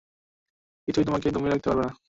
কিছুই তোমাকে দমিয়ে রাখতে পারবে না।